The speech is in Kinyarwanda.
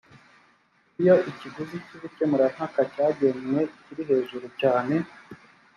iyo ikiguzi cy ubukemurampaka cyagenwe kiri hejuru cyane